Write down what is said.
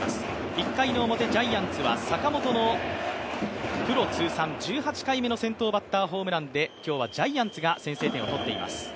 １回表、ジャイアンツは坂本のプロ通算１８回目の先頭バッターホームランで今日はジャイアンツが先制点をとっています。